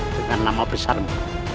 dengan nama besarmu